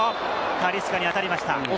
タリスカに当たりました。